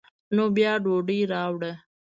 نو بیا ډوډۍ راوړه.